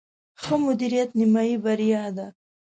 ښه مدیریت، نیمایي بریا ده